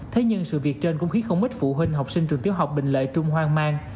thế nhưng sự việc trên cũng khiến không ít phụ huynh học sinh trường tiểu học bình lợi trung hoang mang